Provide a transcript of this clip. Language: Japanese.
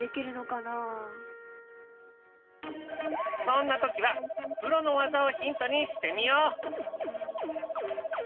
そんな時はプロの技をヒントにしてみよう！